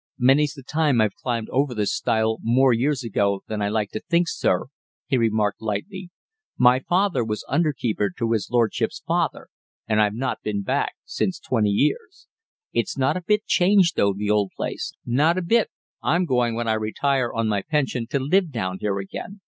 "Many's the time I've climbed over this stile more years ago than I like to think, sir," he remarked lightly. "My father was under keeper to his lordship's father, and I've not been back since twenty years. It's not a bit changed, though, the old place, not a bit, I'm going, when I retire on my pension, to live down here again.